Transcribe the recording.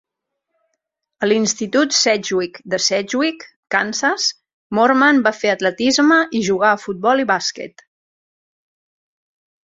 A l'Institut Sedgwick de Sedgwick, Kansas, Moorman va fer atletisme i jugà a futbol i bàsquet.